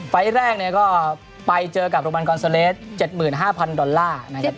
ไฟล์ทแรกก็ไปเจอกับโรมันกอนซาเลส๗๕๐๐๐ดอลลาร์